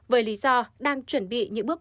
với lý do đang chuẩn bị những bước